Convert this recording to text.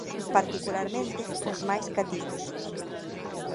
Particularmente os máis cativos.